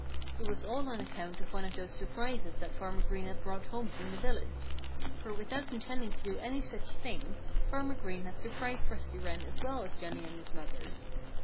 It was all on account of one of those surprises that Farmer Green had brought home from the village. For without intending to do any such thing, Farmer Green had surprised Rusty Wren as well as Johnnie and his mother.